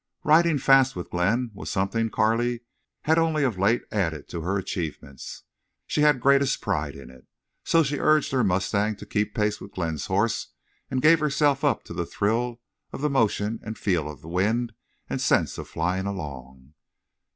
Riding fast with Glenn was something Carley had only of late added to her achievements. She had greatest pride in it. So she urged her mustang to keep pace with Glenn's horse and gave herself up to the thrill of the motion and feel of wind and sense of flying along.